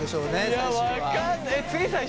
いや分かんない。